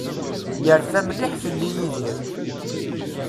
Yerfa mliḥ fell-i Yidir.